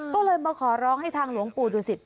ก็เลยมาขอร้องให้ทางหลวงปู่ดูสิต